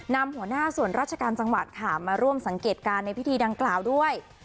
นำหัวหน้าส่วนราชการจังหวัดค่ะมาร่วมสังเกตการณ์ในพิธีดังกล่าวด้วย